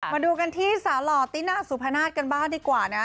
มาดูกันที่สาหร่อตี้หน้าสุพนาธิ์กันบ้านดีกว่านะ